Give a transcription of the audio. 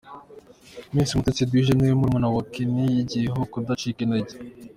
Miss Mutesi Eduige ni we murumuna we Kenny yigiyeho kudacika intege.